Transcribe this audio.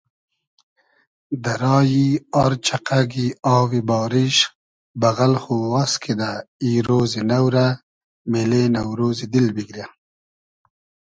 دۂ رایی آر چئقئگی آوی باریش بئغئل خو واز کیدۂ ای رۉزی نۆ رۂ مېلې نۆرۉزی دیل بیگرۂ